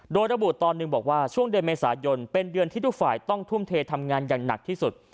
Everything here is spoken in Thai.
โดยระบุตอนหนึ่งบอกว่าช่วงเดือนเมษายนเป็นเดือนที่ทุกฝ่ายต้องทุ่มเททำงานอย่างหนักที่สุด